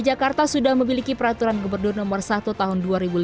jakarta sudah memiliki peraturan gubernur no satu tahun dua ribu lima belas